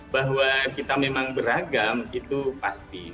bahwa kita memang beragam itu pasti